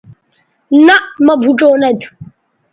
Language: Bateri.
نہء مہ بھوڇؤ نہ تھو